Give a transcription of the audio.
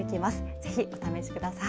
ぜひお試しください。